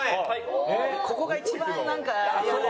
ここが一番なんか嫌。